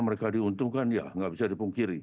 mereka diuntungkan ya nggak bisa dipungkiri